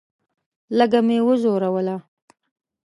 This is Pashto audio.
لږه مې وځوروله.